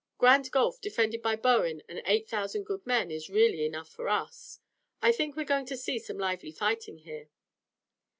Grand Gulf defended by Bowen and eight thousand good men is really enough for us. I think we're going to see some lively fighting here."